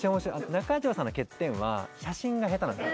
中城さんの欠点は、写真が下手なんです。